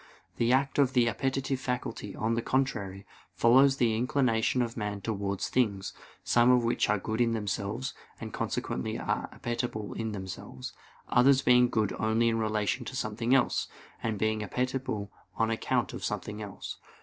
The act of the appetitive faculty, on the contrary, follows the inclination of man towards things; some of which are good in themselves, and consequently are appetible in themselves; others being good only in relation to something else, and being appetible on account of something else.